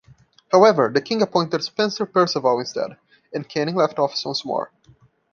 However, the King appointed Spencer Perceval instead, and Canning left office once more.